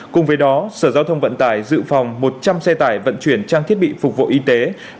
cùng với đó sở giao thông vận tải dự phòng một trăm linh xe tải vận chuyển trang thiết bị phục vụ y tế